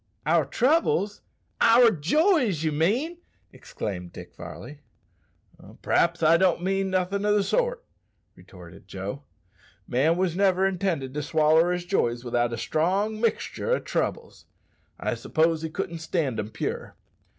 "Our troubles? our joys, you mean!" exclaimed Dick Varley. "P'r'aps I don't mean nothin' o' the sort," retorted Joe. "Man wos never intended to swaller his joys without a strong mixtur' o' troubles. I s'pose he couldn't stand 'em pure.